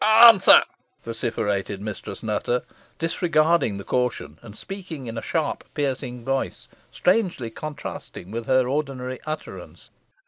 "Answer," vociferated Mistress Nutter, disregarding the caution, and speaking in a sharp piercing voice, strangely contrasting with her ordinary utterance.